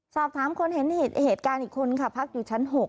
สอบถามคนเห็นเหตุการณ์อีกคนค่ะพักอยู่ชั้น๖